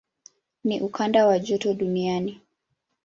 Ni ukanda wa joto duniani.